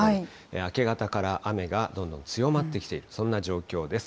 明け方から雨がどんどん強まってきている、そんな状況です。